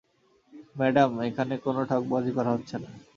Madam, এখানে কোনো ঠগবাজি করা হচ্ছে না।